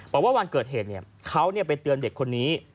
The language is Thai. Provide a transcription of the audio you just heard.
บอกว่าวันเกิดเหตุเขาไปเตือนเด็กคนนี้